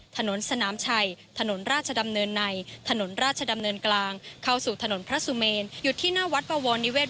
ทั้งเพิ่มประปบรมราชาอิสริยะยศริวคบ